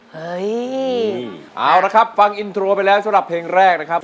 เฮ้ยเอาละครับฟังอินโทรไปแล้วสำหรับเพลงแรกนะครับ